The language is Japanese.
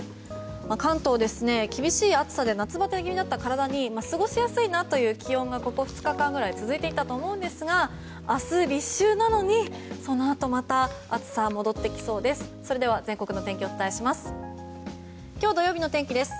関東、厳しい暑さで夏バテ気味だった体に、過ごしやすいなという気温がここ２日間ぐらい続いていたと思うんですが明日、立秋なのにそのあとまた暑さ戻ってきそうです。